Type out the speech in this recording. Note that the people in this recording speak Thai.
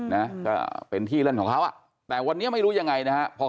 นะก็เป็นที่เล่นของเขาอ่ะแต่วันนี้ไม่รู้ยังไงนะฮะพอ